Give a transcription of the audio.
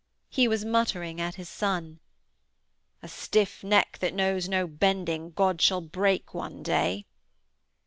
He was muttering at his son: 'A stiff neck that knows no bending, God shall break one day.'